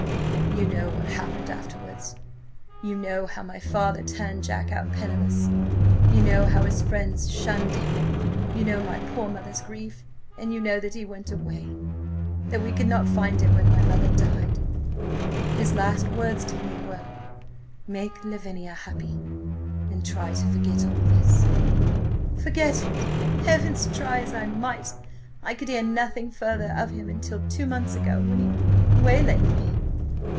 "You know what happened afterwards. You know how my father turned Jack out penniless–you know how his friends shunned him–you know my poor mother's grief. And you know that he went away–that we could not find him when–my mother died. ... His last words to me–were: 'Make Lavinia–happy–and try to forget–all this.' Forget it! Heavens! Try as I might, I could hear nothing further of him until two months ago, when he–waylaid me.